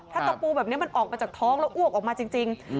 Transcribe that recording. ถ้าตะปูแบบนี้มันออกมาจากท้องแล้วอ้วกออกมาจริง